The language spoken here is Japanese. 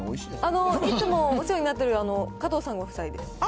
いつもお世話になっている、加藤さんご夫妻です。